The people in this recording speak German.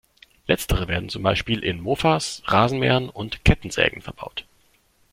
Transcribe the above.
Letztere werden zum Beispiel in Mofas, Rasenmähern und Kettensägen verbaut.